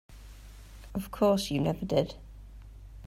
Of course you never did.